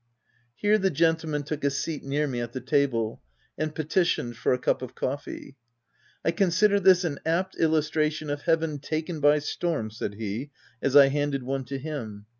Here the gentleman took a seat near me at the table, and petitioned for a cup of coffee. " I consider this an apt illustration of Heaven taken by storm/' said he, as I handed one to him.